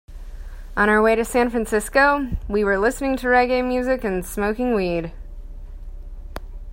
On our way to San Francisco, we were listening to reggae music and smoking weed.